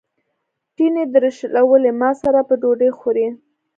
تڼۍ درشلوي: ما سره به ډوډۍ خورې.